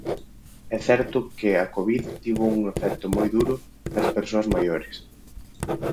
É certo que a covid tivo un efecto moi duro nas persoas maiores.